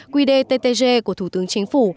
quy đề ttg của thủ tướng chính phủ